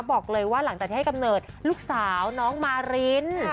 หลังจากที่ให้กำเนิดลูกสาวน้องมาริน